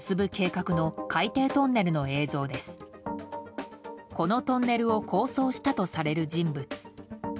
このトンネルを構想したとされる人物。